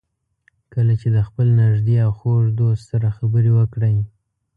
کله چې د خپل نږدې او خوږ دوست سره خبرې وکړئ.